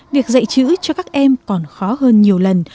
việc dạy chữ cho các em còn khó hơn nhiều lần